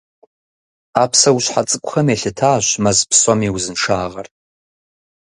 А псэущхьэ цӀыкӀухэм елъытащ мэз псом и узыншагъэр.